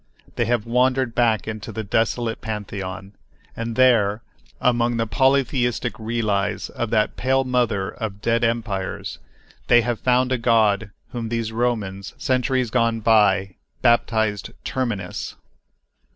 They have wandered back into the desolate Pantheon, and there, among the polytheistic relies of that "pale mother of dead empires," they have found a god whom these Romans, centuries gone by, baptized "Terminus."